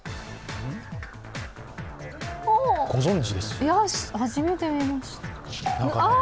初めて見ました。